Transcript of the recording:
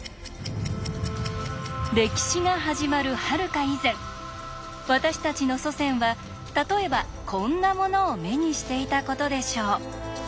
歴史が始まるはるか以前私たちの祖先は例えばこんなものを目にしていたことでしょう。